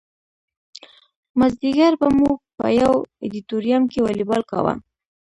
مازدیګر به مو په یو ادیتوریم کې والیبال کاوه.